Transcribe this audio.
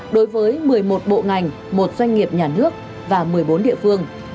đối với một mươi một bộ ngành một doanh nghiệp nhà nước và một mươi bốn địa phương